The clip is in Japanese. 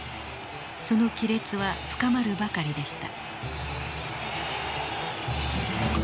その亀裂は深まるばかりでした。